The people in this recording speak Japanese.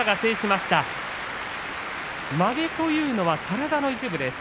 まげというのは体の一部です。